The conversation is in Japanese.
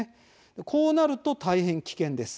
こうなると、大変危険です。